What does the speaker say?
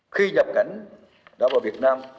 khi nhập cảnh đã vào việt nam